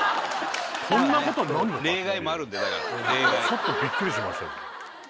ちょっとびっくりしましたよ。